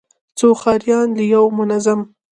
څو ښاريان له يو منظم،